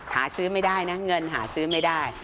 หาซื้อไม่ได้นะเงินหาซื้อไม่ได้